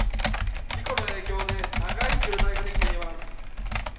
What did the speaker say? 事故の影響で長い渋滞ができています。